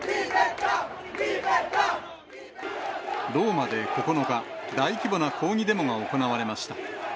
ローマで９日、大規模な抗議デモが行われました。